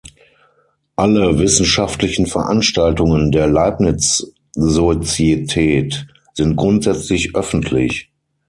Alle wissenschaftlichen Veranstaltungen der Leibniz-Sozietät sind grundsätzlich öffentlich.